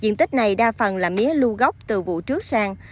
diện tích này đa phần là mía lưu gốc từ vụ trước sang